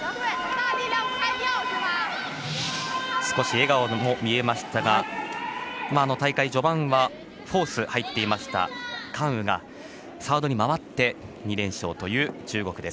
少し笑顔も見えましたが大会序盤はフォースに入っていました韓雨が、サードに回って２連勝という中国。